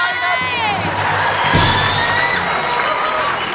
ไม่ใช้